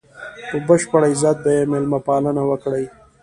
په بشپړ عزت به یې مېلمه پالنه وکړي.